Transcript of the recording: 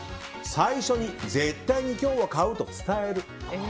最初に絶対に今日は買うと伝える。